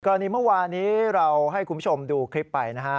กรณีเมื่อวานี้เราให้คุณผู้ชมดูคลิปไปนะฮะ